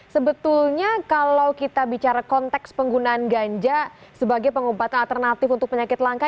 sebetulnya kalau kita bicara konteks penggunaan ganja sebagai pengobatan alternatif untuk penyakit langka